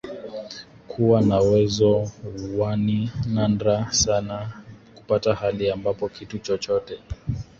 kuwa na uwezo waNi nadra sana kupata hali ambapo kitu chochote